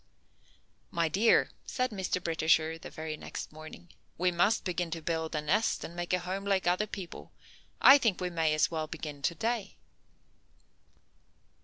"My dear," said Mr. Britisher the very next morning, "we must begin to build a nest and make a home like other people. I think we may as well begin to day."